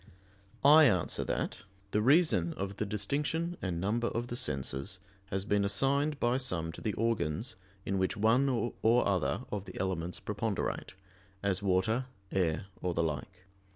I answer that, The reason of the distinction and number of the senses has been assigned by some to the organs in which one or other of the elements preponderate, as water, air, or the like.